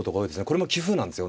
これも棋風なんですよ。